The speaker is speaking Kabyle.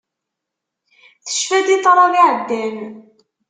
Tecfa-d i ṭṭrad iɛeddan.